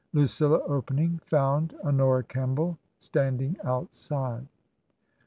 Lucilla opening, found Honora Kemball standing outside.